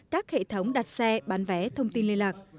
các hệ thống đặt xe bán vé thông tin liên lạc